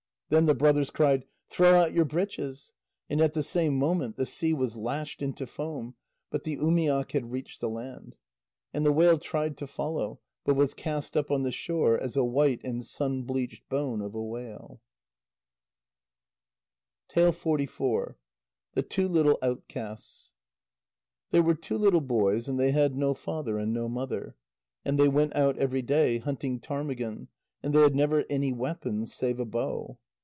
Then the brothers cried: "Throw out your breeches!" And at the same moment the sea was lashed into foam, but the umiak had reached the land. And the whale tried to follow, but was cast up on the shore as a white and sun bleached bone of a whale. THE TWO LITTLE OUTCASTS There were two little boys and they had no father and no mother, and they went out every day hunting ptarmigan, and they had never any weapons save a bow.